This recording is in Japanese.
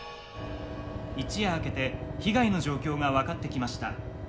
「一夜明けて被害の状況が分かってきました。